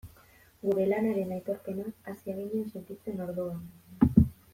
Gure lanaren aitorpena hasi ginen sentitzen orduan.